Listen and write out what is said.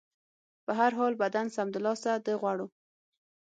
په هر حال، بدن سمدلاسه د غوړو